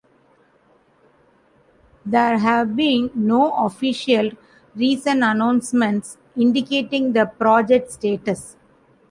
There have been no official recent announcements indicating the project status.